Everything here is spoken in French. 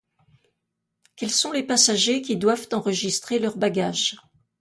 Quels sont les passagers qui doivent enregistrer leurs bagages ?